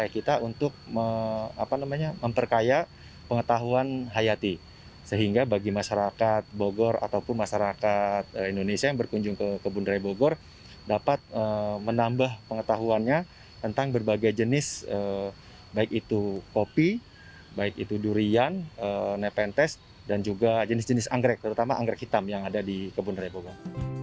kita mencari berbagai jenis baik itu kopi baik itu durian neventes dan juga jenis jenis anggrek terutama anggrek hitam yang ada di kebun raya bogor